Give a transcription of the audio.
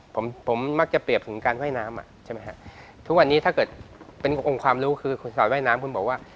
ผมผมมักจะเปรียบถึงการว่ายน้ำอ่ะใช่ไหมฮะทุกวันนี้ถ้าเกิดเป็นองค์ความรู้คือคนสอดว่ายน้ำคุณบอกว่า